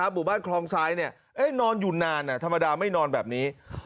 หมู่บ้านคลองซ้ายนอนอยู่นานธรรมดาไม่นอนแบบนี้